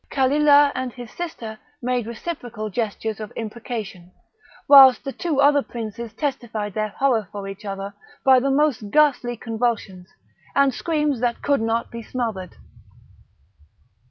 Kalilah and his sister made reciprocal gestures of imprecation, whilst the two other princes testified their horror for each other by the most ghastly convulsions, and screams that could not be smothered.